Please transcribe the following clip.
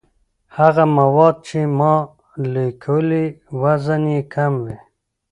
هغه مواد چې مالیکولي وزن یې کم وي.